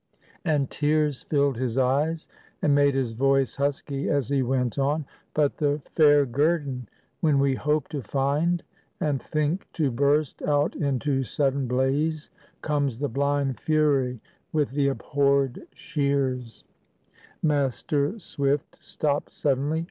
And tears filled his eyes, and made his voice husky, as he went on,— "But the fair guerdon when we hope to find, And think to burst out into sudden blaze, Comes the blind Fury with the abhorred shears"— Master Swift stopped suddenly.